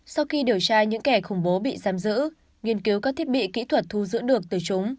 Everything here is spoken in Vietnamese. công bố bị giam giữ nghiên cứu các thiết bị kỹ thuật thu giữ được từ chúng